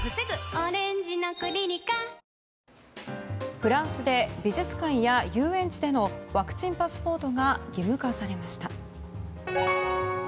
フランスで美術館や遊園地でのワクチンパスポートが義務化されました。